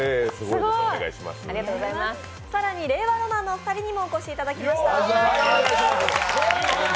更に令和ロマンのお二人にもお越しいただきました。